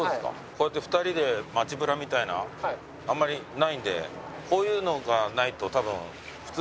こうやって２人で街ブラみたいなあんまりないんでこういうのがないと多分。